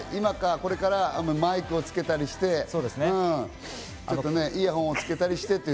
これからマイクをつけたりして、イヤホンをつけたりして。